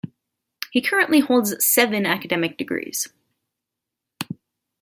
He currently holds seven academic degrees.